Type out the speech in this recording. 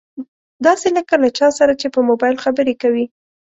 داسې لکه له چا سره چې په مبايل خبرې کوي.